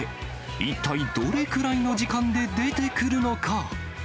一体どれくらいの時間で出てくるのか。